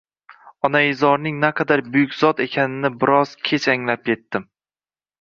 Onaizorning naqadar buyuk zot ekanini biroz kech anglab etdim